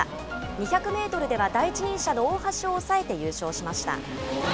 ２００メートルでは第一人者の大橋を抑えて優勝しました。